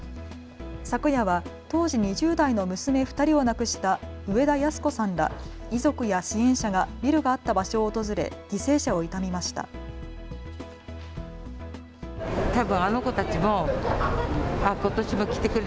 昨夜は当時２０代の娘２人を亡くした植田安子さんら遺族や支援者がビルがあった場所を訪れ犠牲者を悼みました。